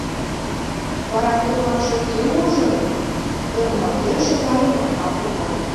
— Вара Пӧклаже кӧм ужын? — ӧрмалген шогале Марпа кува.